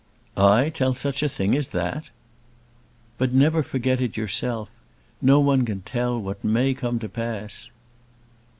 "I tell such a thing as that!" "But never forget it yourself. No one can tell what may come to pass."